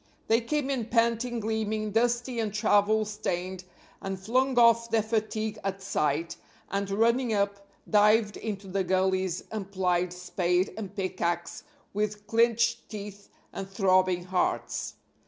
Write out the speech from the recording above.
They came in panting, gleaming, dusty and travel stained and flung off their fatigue at sight, and, running up, dived into the gullies and plied spade and pickax with clinched teeth and throbbing hearts.